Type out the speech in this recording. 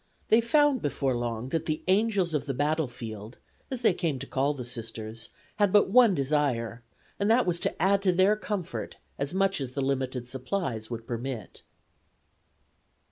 They found before long that the "Angels of the Battlefield," as they came to call the Sisters, had but one desire, and that was to add to their comfort, as much as the limited supplies would permit.